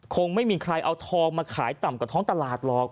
คงไม่มีใครเอาทองมาขายต่ำกว่าท้องตลาดหรอก